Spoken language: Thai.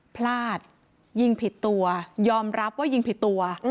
พลาดยิงผิดตัวยอมรับว่ายิงผิดตัว